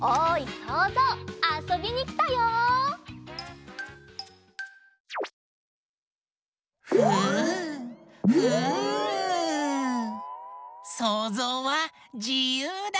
そうぞうはじゆうだ！